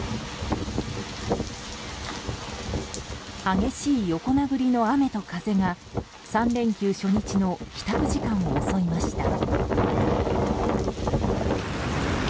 激しい横殴りの風と雨が３連休初日の帰宅時間を襲いました。